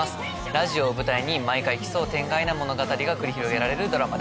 ラジオを舞台に毎回奇想天外な物語が繰り広げられるドラマです。